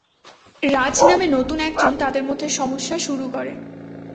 রাজ নামে নতুন একজন তাদের মধ্যে সমস্যা শুরু করে।